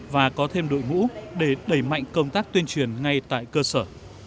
và có thêm đội ngũ để đẩy mạnh công tác tuyên truyền ngay tại cơ sở